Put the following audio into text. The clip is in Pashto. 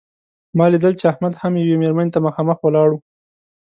ما لیدل چې احمد هم یوې مېرمنې ته مخامخ ولاړ و.